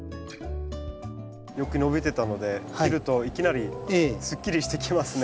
よく伸びてたので切るといきなりすっきりしてきますね。